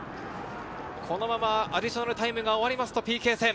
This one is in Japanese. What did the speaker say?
このままアディショナルタイムが終わりますとＰＫ戦。